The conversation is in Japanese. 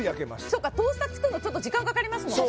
そっかトースター作るのちょっと時間かかりますもんね